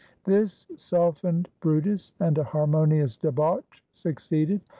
This softened brutus, and a harmonious debauch succeeded.